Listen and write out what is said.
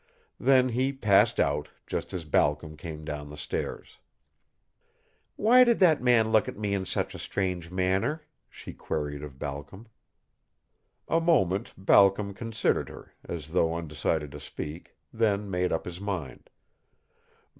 Then he passed out, just as Balcom came down the stairs. "Why did that man look at me in such a strange manner?" she queried of Balcom. A moment Balcom considered her, as though undecided to speak, then made up his mind.